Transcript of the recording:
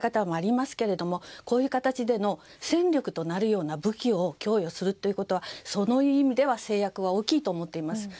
そして集団的自衛権の考え方もありますけどこういう形での戦力となるような武器を供与するというのはその意味では制約は大きいと思います。